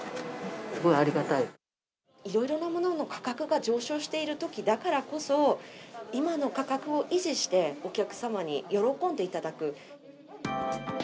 いろいろなものの価格が上昇しているときだからこそ、今の価格を維持して、お客様に喜んでいただく。